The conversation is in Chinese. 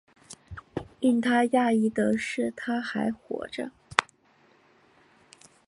令他讶异的是她还活着